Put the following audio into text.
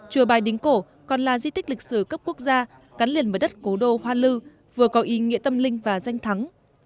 chùa bài đính cổ còn là di tích lịch sử cấp quốc gia gắn liền với đất cố đô hoa lư vừa có ý nghĩa tâm linh và danh thắng